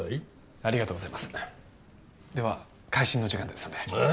ありがとうございますでは回診の時間ですのであ